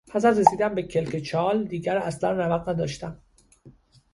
پس از رسیدن به کلک چال دیگر اصلا رمق نداشتم.